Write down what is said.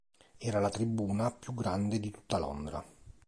Era la tribuna più grande di tutta Londra.